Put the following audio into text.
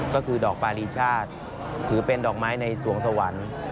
ก็คือดอกปารีชาติถือเป็นดอกไม้ในสวงสวรรค์